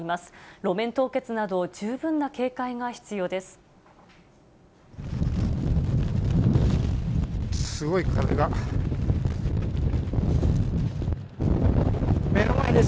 路面凍結など十分な警戒が必要です。